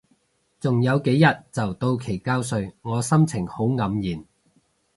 仲有幾日就到期交稅，我心情好黯然